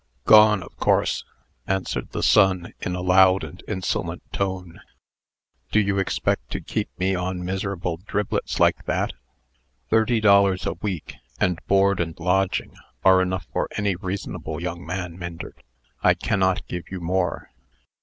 "Gone, of course," answered the son, in a loud and insolent tone. "Do you expect to keep me on miserable driblets like that?" "Thirty dollars a week, and board and lodging, are enough for any reasonable young man, Myndert. I cannot give you more."